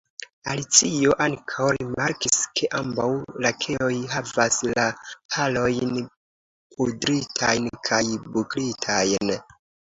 Alicio ankaŭ rimarkis ke ambaŭ lakeoj havas la harojn pudritajn kaj buklitajn.